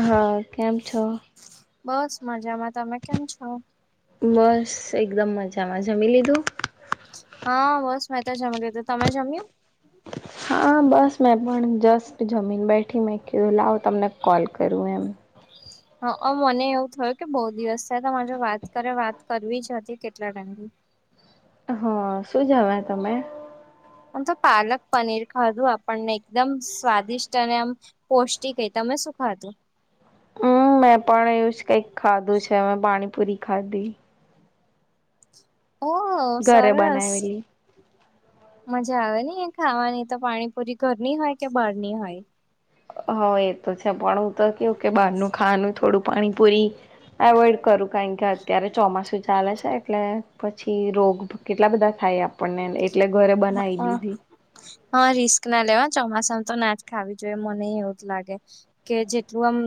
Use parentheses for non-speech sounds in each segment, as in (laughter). હા કેમ છો? બસ મજામાં તમે કેમ છો? બસ એકદમ મજામાં જમી લીધું? હા બસ મેં તો જમી લીધું તમે જમ્યું? હા બસ મેં પણ જસ્ટ જમીન બેઠી મેં કીધું લાવ તમને કોલ કરું એમ હ મને એવું થયું કે બહુ દિવસ થયા તમારે જોડે વાત કરે વાત કરવી જ હતી કેટલા ટાઈમથી હ શું જમ્યા તમે? આમ તો પાલક પનીર ખાધું આપણને એકદમ સ્વાદિષ્ટ અને આમ પૌષ્ટિક તમે શું ખાધું? હમ મેં પણ એવું જ કઈક ખાધું છે મે પાણીપુરી ખાધી ઓ ઘરે સરસ. બનાવેલી. મજા આવે ખાવાની તો પાણીપુરી ઘરની હોય કે બહારની હોય? હ એ તો છે પણ હું તો કેવું કે બહારનું ખાવાનું થોડું પાણીપુરી એવોઈડ કરું કારણ કે અત્યારે ચોમાસું ચાલે છે એટલે પછી રોગ કેટલા બધા થાય આપ પણને એટલે ઘરે બનાવી હોય દીધી હા રિસ્ક ના લેવા ચોમાસામાં તો ના જ ખાવી જોઈએ મને એવું જ લાગે કે જેટલું આમ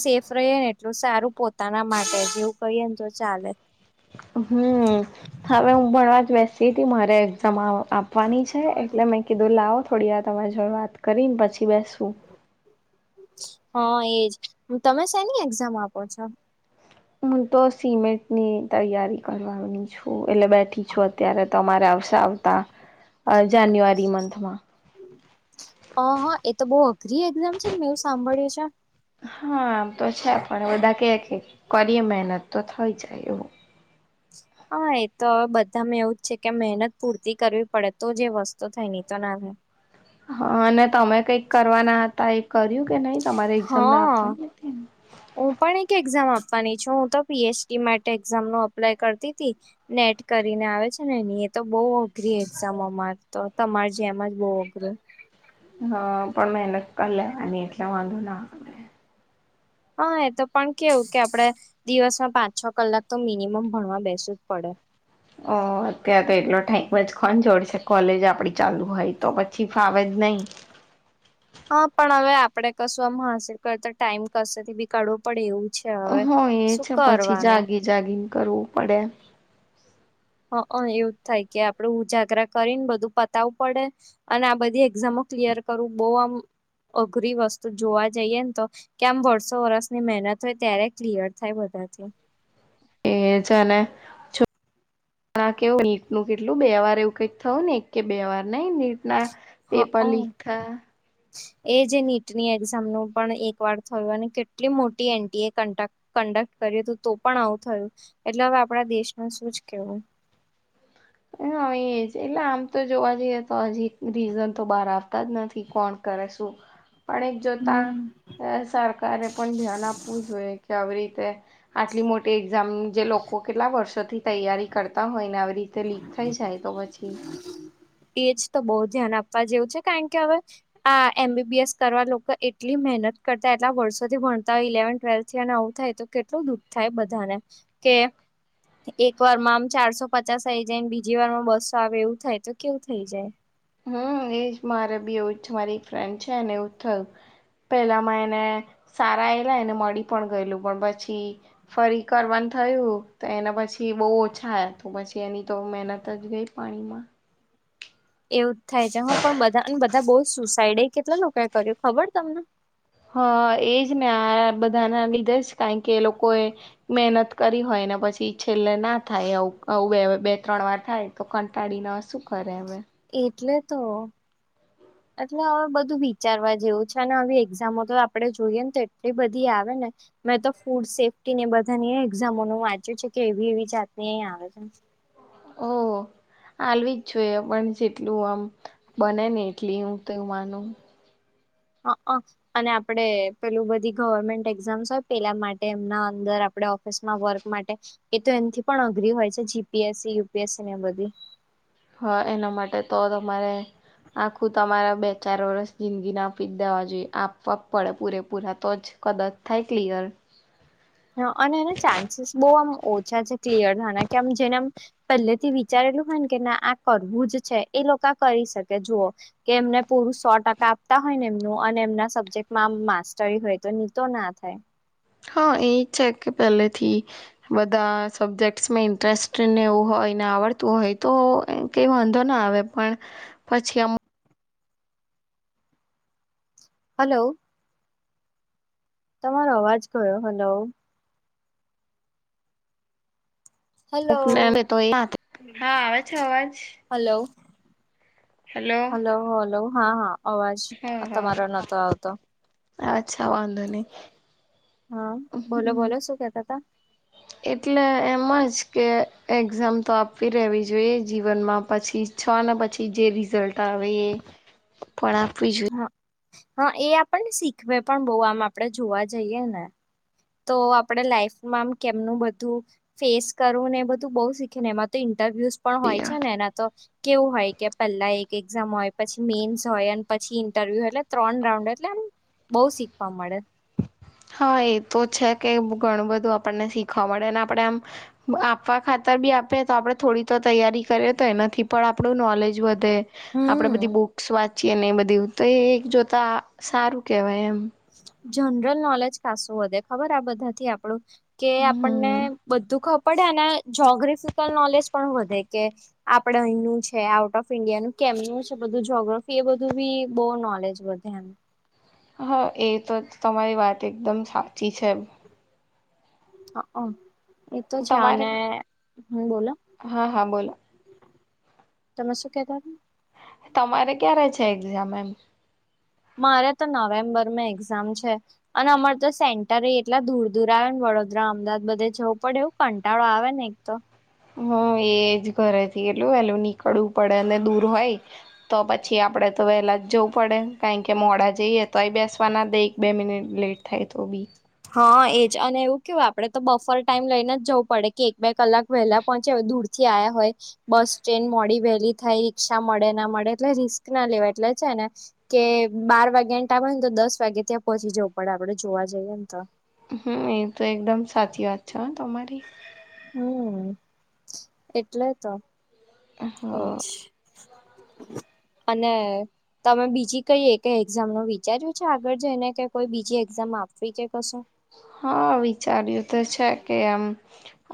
સેફ રહીએ ને એટલું સારું પોતાના માટે જેવું કહીએ ને તો ચાલે હમ હવે હું ભવા જ બેસી હતી મારે એક્ઝામ આપવાની છે એટલે મેં કીધું લાવો થોડી વા તમારી જો વાત કરીને પછી બેસવું હા એજ તમે શની એક્ઝામ આપો છો? હું તો સિમેન્ટની તૈયારી કરવાની છું એટલે બેઠી છું અત્યારે તમારે આવશે આવતા જાન્યુઆરી મંથમાં. હ હા એ તો બહુ અઘરી એક્ઝામ છે ને મેં એવું સાંભળ્યું છે. હા આમ તો છે પણ બધા કે કરીએ મહેનત તો થઈ જાય એવું. હા એ તો હવે બધામાં એવું જ છે કે મહેનત પૂરતી કરવી પડે તો જે વસ્તુ થાય ની તો ના થાય. હા અને તમે કઈક કરવાના હતા એ કર્યું કે નહી તમારે એક્ઝામ ના હા આપવાની હું પણ એક એક્ઝામ આપવાની છું હું તો પી એચ ડી માટે એક્ઝામ ન અપ્લાય કરતી હતી નેટ કરીને આવે છે ને એની એ તો બહ અઘરી એક્ઝામ અમાર તો તમાર જેમ જ બહ અઘરું હ પણ મેનક લ અનેની એટલે વાંધો ના હા એ તો પણ કેવું કે આપડે દિવસમાં પાંચ છ કલાક તો મિનિમમ ભણવા બેસું જ પડે ઓ અત્યારે તો એટલો ટાઈમ જ કો જોડશે કોલેજ આપડી ચાલુ હોય તો પછી ફાવે જ નહીં હા પણ હવે આપડે કશું આમ હાંસિલ કરતા ટાઈમ કશેથી કરવું પડે એવું છે હવે હો એ શું છે પછી કરવાનું જાગી જાગીને કરવું પડે. હ એવું જ થાય કે આપડે ઉજાગરા કરીને બધું પતાવું પડે. અને આ બધી એક્ઝામો ક્લિયર કરવું બહુ આમ અઘરી વસ્તુ જોવા જઈએ તો. કેમ વર્ષો વર્ષની મહેનત હોય ત્યારે ક્લિયર થાય બધાથી. એછે ને છુપ. કેવું નીટ નું કેટલું બે વાર એવું કઈક થયું ને એક કે બે વાર. નહી નીટ ના પેપર હા લીંક થા. એ જે નીટની એક્ઝામ નું પણ એક વાર થયું અને કેટલી મોટી એનટીએ કન્ડક્ટ. કન્ડક્ટ કર્યું હતું તો પણ આવું થયું એટલે હવે આપણા દેશમાં શું જ કેવું. હ હ એ જ એટલે આમ તો જોવા જઈએ તો હજી રીઝન તો બહાર આવતા જ નથી કોણ કરે શું. (unintelligible) પણ એ જોતા હમ અ સરકારે પણ ધ્યાન આપવું જોઈએ કે આવી રીતે. આટલી મોટી એક્ઝામ જે લોકો કેટલા વર્ષોથી તૈયારી કરતા હોય ને આવરી. તે લીક થઈ જાય તો પછી. એજ તો બહુ ધ્યાન આપવા જેવું છે કાકે હવે. આ એમ બીબી એસ કરવા લોકો એટલી મહેનત કરતા એટલા વર્ષોથી ભણતા હોય ઇલેવન ટ્વેલ્થ થી અને આવું થાય તો. કેટલું દુખ થાય બધાને કે એક વાર માં આમ ચારસો પચાસ. જેને બીજી વાર માં બસો આવે એવું થાય તો કેવું થઈ જાય. હમ એજ મારે બી એવું મારી એક ફ્રેન્ડ છે ને એવું થયું. પેલામાં એને સારા એલા એને મળી પણ ગયેલું પણ પછી ફરી કરવાનું થયું તો એના પછી બહુ ઓછા આયા ત પછી એની તો મહેનત જ ગઈ. પાણીમાં. એવું જ થાય જેમાં પણ બધા અને બધા બહુ સુસાઈડ કેટલા લોકો એ કર્યું ખબર તમને. હા એજ ને આ બધાના લીધે જ કા કે એ લોકો એ. મહેનત કરી હોય ને પછી છેલ્લે ના થાય એવું આવ બે ત્રણ વાર થાય. તો કંટાળીને શું કરે હવે. એટલે તો. હમ. અથવા હવે બધું વિચારવા જેવું છે અને હવે એક્ઝામો તો આપડે જોઈએ ને તો એટલી બધી આવે ને. મેં તો ફૂડ સેફ્ટી ને બધાની એક્ઝામોનું વાંચ્યું છે કે એવી એવી જાતની આવે. ઓ. હાલવી જ જોઈએ પણ જેટલું આમ બને ને એટલી હું તો એ માનું. હ હ અને આપડે પેલું બધી ગવર્મેન્ટ એક્ઝામ્સ હોય પેલા માટે એમના અંદર આપણે ઓફિસમાં વર્ક માટે એ તો એથી પણ અઘરી હોય છે જીપીએસસી યુપીએસસી ને એ બધી. હા એના માટે તો તમારે. આખું તમારા બે ચાર વર્ષ જિંદગી ના આપી જ દેવા જોઈએ આપવા પડે પૂરેપૂરા તો જ. કદાચ થાય ક્લિયર. અને એના ચાન્સીસ બોવ આમ ઓછા છે ક્લિયર થાના કે આમ જેનેમ. પહેલેથી વિચારેલું હોય ને કે ના આ કરવું જ છે એ લોકો આ કરી શકે જુઓ. કે એમને પૂરું સો ટકા આપતા હોય ને એમનું અને એમના સબ્જેક્ટમાં માસ્ટરી હોય તો ની તો ના થાય. હા એ છે કે પહેલેથી. બધા સબ્જેક્ટસમાં ઇન્ટરેસ્ટને એવું હોય ને આવડતું હોય તો કંઈ વાંધો ના આવે. પણ પછી આમ. હલો. તમારો અવાજ કયો હલો. હલો કોક મલે તો એ હા આવે છે અવાજ. હલો હેલો હલો હલો હા હા. અવાજ હા તમારો નતો આવતો હા અચ્છા વાંધો નહી. હા બોલો હમ, બોલો શું કેતા હતા. એટલે એમ જ કે એક્ઝામ તો આપવી રહેવી જોઈએ જીવનમાં પછી. છ ને પછી જે રિઝલ્ટ આવે એ પણ આપવી જોઈએ. હા હા એ આપણને શીખવે પણ બઉ આમ આપડે જોવા જઈએ ને. તો આપણે લાઈફમાંમ કેમનું બધું. ફેસ કરવું ને એ બધું બઉ શીખવે ને એમાં તો ઇન્ટરવ્યુઝ પણ હોય જોઈએ છે ને એના તો. કેવું હોય કે પહેલા એક એક્ઝામ હોય પછી મેન્સ હોય પછી ઇન્ટરવ્યુ એટલે ત્રણ રાઉન્ડ એટલે. બઉ શીખવા મળે. હા એ તો છે કે ઘણું બધું આપણને શીખવા મળે અમને આપણે આમ. આપવા ખાતર બી આપે તો આપણે થોડી તો તૈયારી કરીએ તો એનાથી પણ આપણું નોલેજ વધે. તે આપણેે હમ બધી બુક્સ વાંચીએ ને એ બધી તો એ એક જોતા સારું કેહેવાય એમ. જનરલ નોલેજ ખાસું વધે ખબર આ બધાથી આપણું. કે આપણને હમ બધું ખબ પડે અને જ્યોગ્રાફિકલ નોલેજ પણ વધે કે. આપડે અહીનું છે આઉટ ઓફ ઇન્ડિયાનું કેમનું છે બધું જોગ્રાફી એ બધું બી બહુ નોલેજ. વધ્યા. હા એ તો તમારી વાત એકદમ સાચી છે. હ એ તો છે તમારે અને હ બોલો. હા હા બોલો તમેસ્ કતા હતા. તમારે ક્યારે છે એક્ઝામ એમ. મારે તો નવેમ્બર માં એક્ઝામ છે. અને અમારે તો સેન્ટર એટલા દૂર દૂર આવે ને વડોદરા અમદાવાદ બધે જવું પડે એવું. કંટાળો આવે ને એક તો. હા એજ ઘરેથી એટલું વેલું નીકળવું પડે ને દૂર હોય. તો પછી આપડે. તો વહેલાં જવું પડે કારણ કે મોડા જઈએ તોય બેસવાના દે એક બે મિનિટ લેટ થાય તો બી.. હા એજ અને એવું કેવું આપડે તો બફર ટાઈમ લઈને જવું પડે કે એક બે કલાક વહેલા પહોંચીયા હોય તો. થી આયા હોત તે. બસ સ્ટેન્ડ મોડી વહેલી થાય રિક્ષા મળે ના મળે એટલે રિસ્ક ના લેવાય એટલે છે ને. કે બાર વાગ્યા ને ટામે હોય ને તો દસ વાગે ત્યાં પહોંચી જવું પડે આપડે જોવા જઈએ ને તો. હમ એ તો એકદમ સાચી વાત છે હ તમારી. હમ એટલે તો. હા એજ (unintelligible) અને. તમે બીજી કઈ એક એક્ઝામ નું વિચાર્યું છે આગળ જઈને કે કોઈ બીજી એક્ઝામ આપવી કે કશો. હા વિચાર્યું તો છે કે એમ.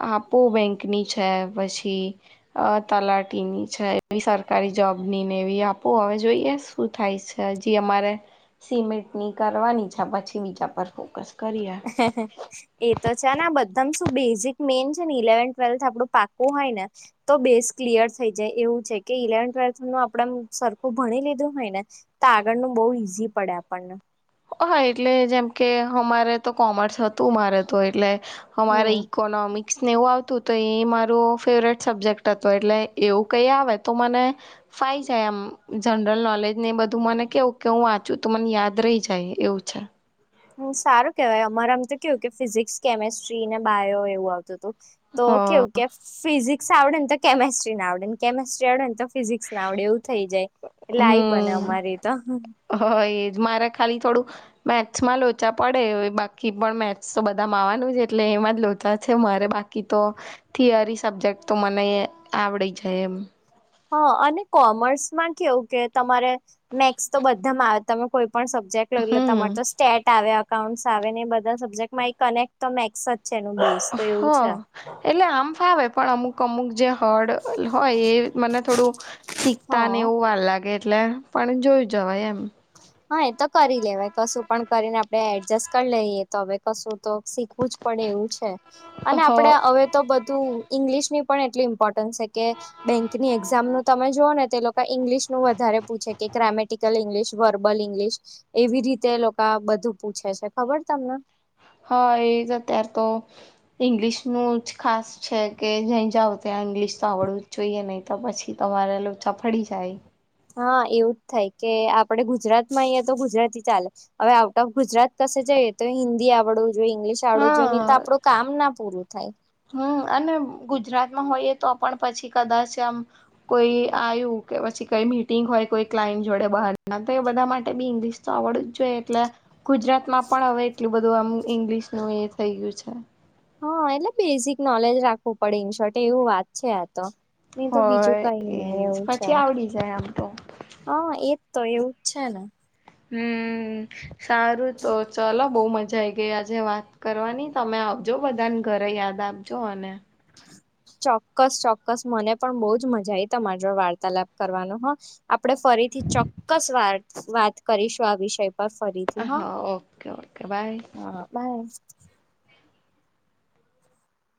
આપો બેંકની છે પછી. અ તલાટીની છે એવી સરકારી જોબ ની ને એવી આપું હવે જોઈએ, શું થાય છે જે અમારે સિમેન્ટ ની કરવાની છે પછી બીજા પર ફોકસ કરીએ. કશું એ તો છેને આ બધા શું બેઝિક મેન છે ને ઇલેવન ટ્વેલ્થ આપડું પાકોું હોય ને. તો બેસ ક્લિયર થઈ જાય એવું છે કે ઈલેવનથ ટ્વેલ્થ ન આપણેે સરખું ભણી લીધું હોય ને. તો આગળનું બહુ ઈઝી પડે આપણને. હા એટલે જેમ કે અમારે તો કોમર્સ હતું મારે તો એટલે. અમારે હમ ઈકોનોમિક્સ ને એવું આવતું હતું. તો એ મારું ફેવરેટ સબ્જેક્ટ હતોું એટલે એવું કઈ આવે તો મને. ફાઈ જાય આમ જનરલ નોલેજ ને એ બધું મને કેવું કે હું વાંચું તો મને યાદ રહી જાય. કાય એવું છે. હમ સારું કેવાય અમારે આમ તો કેવું કે ફિઝિક્સ કેમેસ્ટ્રી ને બાયો એવું આવતું હતું. તો હ કેવું કે. ફિઝિક્સ આવડે ને તો કેમેસ્ટ્રી ના આવડે ને કેમેસ્ટ્રી આવડે ને તો ફિઝિક્સ ના આવડે એવું થઈ જાય. એટલે આઈ બને હમ અમારી તો. હ એજ મારે ખાલી થોડું. મેથ્સમાં લોચા પડે બાકી પણ મેથ્સ તો બધામાં આવાનું જ એટલે એમાં જ લોચા છે મારે બાકી. તો થિયરી સબ્જેક્ટ તો મને આવડી જાય એમ. હા અને કોમર્સમાં કેવું કે તમારે મેથસ તો બધામાં. તમે કોઈ પણ સબ્જેક્ટ લો એટલે હમ તમારે સ્ટેટ આવે. એકાઉન્ટસ્ આવે ને બધા સબ્જેક્ટમાં એક કનેક્ટ તો મેકસ જ છે એનું બે. હ એટલે આમ ફાવે પણ અમુક અમુક જે. થડ હોય એ મને થોડું શીખતા ને હા એવું વાર લાગે. એટલે પણ જોયું જવાય એમ. હા એ તો કરી લેવાય કશું પણ કરીને આપડે એડજસ્ટ કરી લઈએ. હવે કશું તો શીખવું જ પડે એવું છે અને હ આપડે હવે. તો બધું ઈંગ્લિશ ની પણ એટલું ઇમ્પોર્ટન્સ છે કે બેંકની એક્ઝામ નું તમે જોઓ ને તે લોકો. ઇંગ્લિશનું વધારે પૂછે કે ગ્રામેટિકલ ઇંગ્લિશ. વર્બલ ઇંગ્લિશ એવી રીતે લોકો બધું પૂછે છે ખબર તમને. હા એ જ અત્યાર તો. ઇંગ્લિશનું જ ખાસ છે કે જ્યાં જાવ ત્યાં ઇંગ્લિશ તો આવડવું જ જોઈએ ને. તો પછી અમારે લોચા પડી જાય. હા એવું જ થાય કે આપડે ગુજરાતમાં આયાતો તો ગુજરાતી ચાલે. હવે આઉટ ઓફ ગુજરાત કસે જઈએ તો હિન્દી આવડવું. જો ઈંગ્લિશ આવડું જો નહી તો હા આપડું કામ ના પૂરું થાય. હમ અને ગુજરાતમાં હોઈએ તો પણ પછી કદાચ આમ. કોઈ આવ્યું કે પછી કઈ મીટિંગ હોય કોઈ ક્લાઈન્ટ જોડે બહાર ના તો એ બધા માટે બી ઇંગ્લિશ. તો આવવડું જ જોઈએ એટલે ગુજરાતમાં પણ હવે એટલું બધું આમ ઇંગ્લિશનું એ થઈ ગયું છે. હા એટલે બેઝિક નોલેજ રાખવું પડે ઇન શોર્ટ એવું વાત છે આ તો. નહી તો બીજું હોય કઈ નહી એજ એવું છે. પછી આવડી જાય આમ તો હ એજ તો એવું જ છે ને. હમ સારું તો ચલો બહુ મજા આઈ. ગ આજે વાત કરવાની તમે આવજો બધાને ઘરે યાદ આપજો અને. ચોક્કસ ચોક્કસ મને પણ બહજ મજા આઈ તમારા જો વાર્તાલાપ કરવાનો હ. આપણે ફરીથી ચોક્કસ વા વાત કરીશું આ વિષય પર ફરીથી. હા ઓકે ઓકે બાય. હા. બાય.